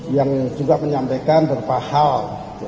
yang juga menyampaikan berpahal